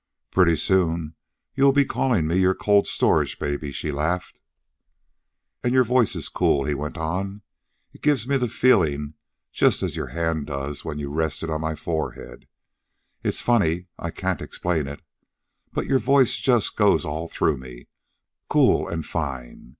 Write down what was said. "Pretty soon you'll be calling me your cold storage baby," she laughed. "And your voice is cool," he went on. "It gives me the feeling just as your hand does when you rest it on my forehead. It's funny. I can't explain it. But your voice just goes all through me, cool and fine.